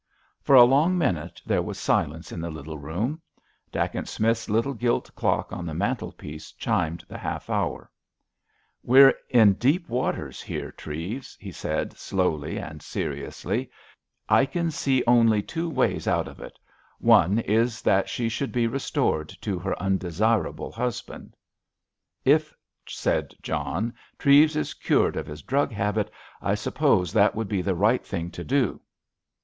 For a long minute there was silence in the little room. Dacent Smith's little gilt clock on the mantelpiece chimed the half hour. "We're in deep waters here, Treves," he said slowly and seriously. "I can see only two ways out of it. One is that she should be restored to her undesirable husband." "If," said John, "Treves is cured of his drug habit, I suppose that would be the right thing to do."